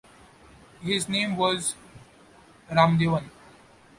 His original name was Ramadevan.